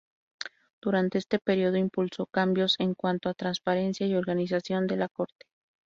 Durante este período, impulsó cambios en cuanto a transparencia y organización de la Corte.